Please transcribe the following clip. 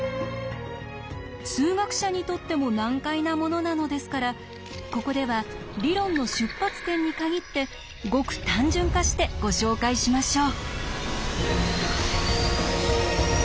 数学者にとっても難解なものなのですからここでは理論の出発点に限ってごく単純化してご紹介しましょう。